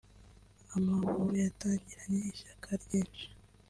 Amavubi yatangiranye ishyaka ryinshi